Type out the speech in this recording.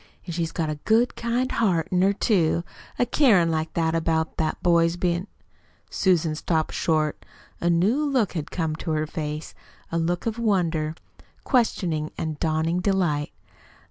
"An' she's got a good kind heart in her, too, a carin' like that about that poor boy's bein' " Susan stopped short. A new look had come to her face a look of wonder, questioning, and dawning delight.